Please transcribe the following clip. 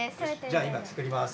じゃ今作ります！